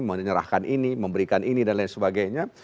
menyerahkan ini memberikan ini dan lain sebagainya